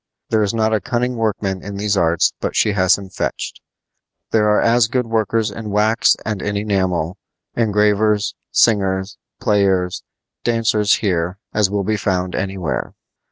There is not a cunning workman in these arts but she has him fetched. There are as good workers in wax and in enamel, engravers, singers, players, dancers here as will be found anywhere.